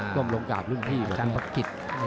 ผมร่วมกราบลึ่งพี่